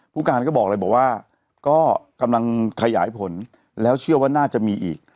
ผู้การก็บอกเลยบอกว่าก็กำลังขยายผลแล้วเชื่อว่าน่าจะมีอีก